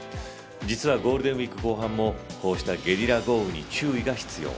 実はゴールデンウイーク後半もこうしたゲリラ豪雨に注意が必要。